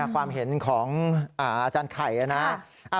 ความเห็นของอไข่นะ